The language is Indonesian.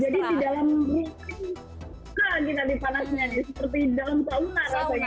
jadi di dalam ruang ini hal lagi nanti panasnya seperti di dalam sauna rasanya